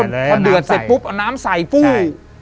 พอเดือดเสร็จปุ๊บเอาน้ำใส่ฟู้